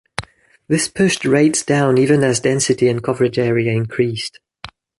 This pushed rates down even as density and coverage area increased.